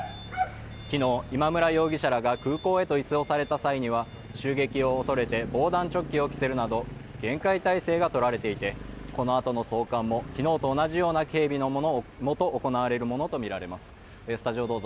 昨日、今村容疑者らが空港へと移送された際には襲撃を恐れて防弾チョッキを着せるなど厳戒態勢がとられていてこのあとの送還も昨日と同じような警備のもと行われるものとみられます。